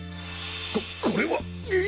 こっこれは！